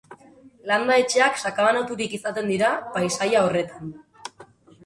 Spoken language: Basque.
Landa-etxeak sakabanaturik izaten dira paisaia horretan.